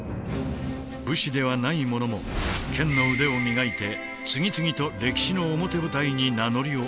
武士ではない者も剣の腕を磨いて次々と歴史の表舞台に名乗りを上げたのだ。